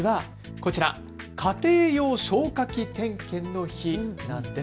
こちら家庭用消火器点検の日なんです。